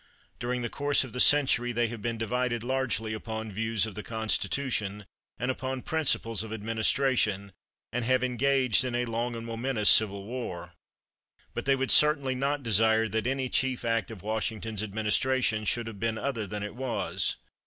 During the course of the century they have been divided largely upon views of the Constitution and upon principles of administration, and have engaged in a long and momentous civil war, but they would certainly not desire that any chief act of Washington's administration should have been other than it was.